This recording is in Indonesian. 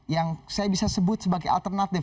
yang saya bisa sebut sebagai alternatif